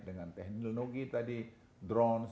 dengan teknologi tadi drone